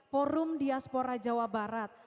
forum diaspora jawa barat